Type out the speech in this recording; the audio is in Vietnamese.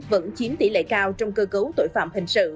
vẫn chiếm tỷ lệ cao trong cơ cấu tội phạm